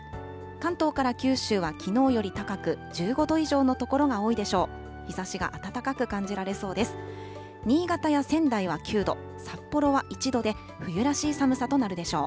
関東から九州はきのうより高く、１５度以上の所が多いでしょう。